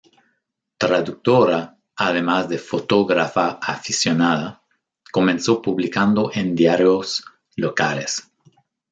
Traductora además de fotógrafa aficionada, comenzó publicando en diarios locales.